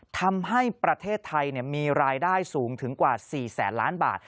ทำให้ประเทศไทยมีรายได้สูงถึงกว่า๔แสนล้านบาท